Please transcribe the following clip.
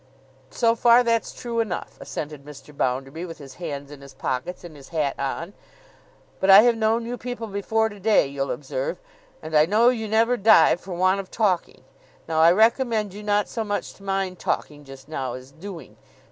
'So far, that's true enough,' assented Mr. Bounderby, with his hands in his pockets and his hat on. 'But I have known you people before to day, you'll observe, and I know you never die for want of talking. Now, I recommend you not so much to mind talking just now, as doing.